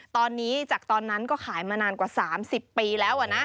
ตอนนี้จากตอนนั้นก็ขายมานานกว่า๓๐ปีแล้วนะ